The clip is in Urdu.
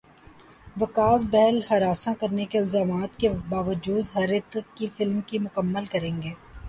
وکاس بہل ہراساں کرنے کے الزامات کے باوجود ہریتھک کی فلم مکمل کریں گے